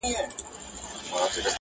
هيڅ کلتور ثبات نسي پيدا کولای